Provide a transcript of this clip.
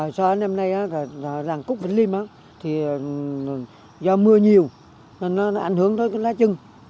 sau năm nay làng cúc vĩnh liêm do mưa nhiều nên nó ảnh hưởng tới lá chưng